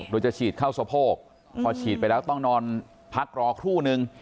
โดยจะฉีดเข้าสะโพกพอฉีดไปแล้วต้องนอนพักรอครู่นึง